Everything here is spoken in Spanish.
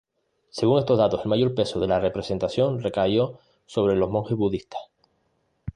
Según estos datos el mayor peso de la represión recayó sobre los monjes budistas.